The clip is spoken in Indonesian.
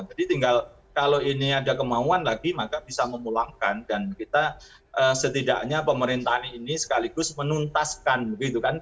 jadi tinggal kalau ini ada kemauan lagi maka bisa memulangkan dan kita setidaknya pemerintahan ini sekaligus menuntaskan begitu kan